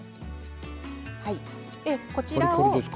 こちらを。